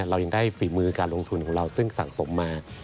เรายังได้ฝีมือการลงทุนของเราซึ่งสะสมมา